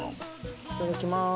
いただきます。